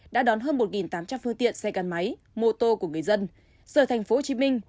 đã đón hơn một tám trăm linh phương tiện xe gắn máy mô tô của người dân rời tp hcm